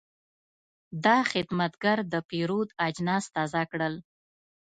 دا خدمتګر د پیرود اجناس تازه کړل.